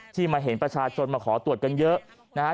ที่มาเห็นประชาชนมาขอตรวจกันเยอะ